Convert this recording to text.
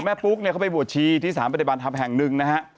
ก็คือแม่ปุ๊กเขาไปบวชชีที่สารปฏิบันธรรมแห่งหนึ่งนะฮะ